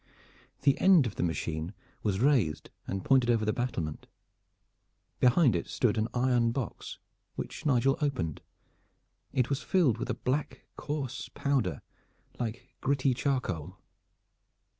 The end of the machine was raised and pointed over the battlement. Behind it stood an iron box which Nigel opened. It was filled with a black coarse powder, like gritty charcoal.